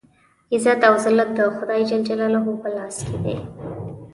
عزت او ذلت د خدای جل جلاله په لاس کې دی.